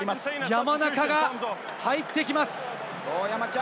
山中が入ってきます。